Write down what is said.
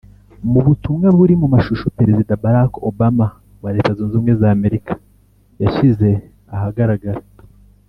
Mu butumwa buri mu mashusho Perezida Barack Obama wa Leta Zunze Ubumwe z’Amerika yashyize ahagaragara